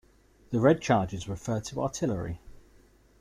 The red charges refer to Artillery.